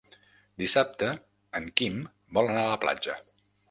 Dissabte en Quim vol anar a la platja.